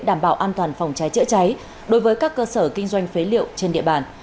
đảm bảo an toàn phòng cháy chữa cháy đối với các cơ sở kinh doanh phế liệu trên địa bàn